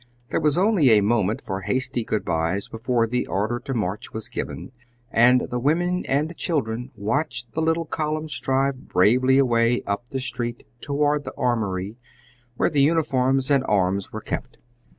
There was only a moment for hasty good byes before the order to march was given, and the women and children watched the little column stride bravely away up the street toward the armory, where the uniforms and arms were kept.